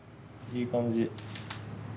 いい感じ。